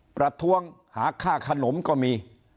ประท้วงหาค่าขนมก็มี